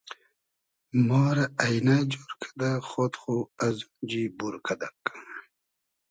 ما رۂ اݷنۂ جۉر کیدۂ خۉد خو ازونجی بور کئدئگ